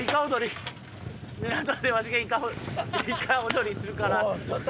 港でわしがイカ踊りするから。